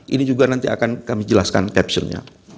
ini juga nanti akan kami jelaskan captionnya